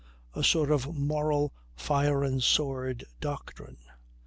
A sort of moral fire and sword doctrine.